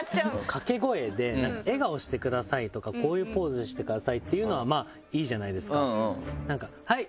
掛け声で「笑顔してください」とか「こういうポーズしてください」っていうのはまぁいいじゃないですかなんか「はい！」。